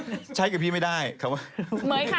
หมื่อยค่ะใช้ไม่ได้ขาดไม่ได้คนนี้